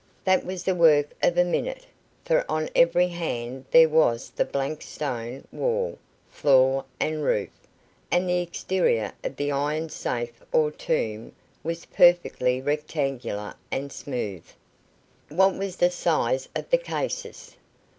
That was the work of a minute, for on every hand there was the blank stone wall, floor and roof, and the exterior of the iron safe or tomb was perfectly rectangular and smooth. "What was the size of the cases?"